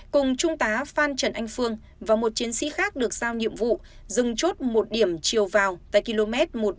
cùng trung tá phan trần anh phương và một chiến sĩ khác được giao nhiệm vụ dừng chốt một điểm chiều vào tại km một trăm một mươi hai